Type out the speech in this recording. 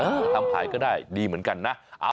ก็ทำขายก็ได้ดีเหมือนกันนะ